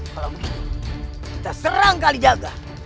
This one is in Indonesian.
kalau begitu kita serang kalijaga